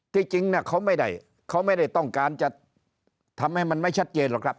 จริงเขาไม่ได้เขาไม่ได้ต้องการจะทำให้มันไม่ชัดเจนหรอกครับ